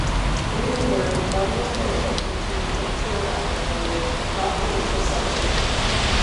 In his words, one must pay attention to the "interactional", not the "intrapsychic".